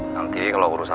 nanti kalau urusan